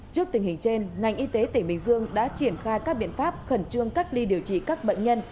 trước tình hình trên ngành y tế tỉnh bình dương đã triển khai các biện pháp khẩn trương cách ly điều trị các bệnh nhân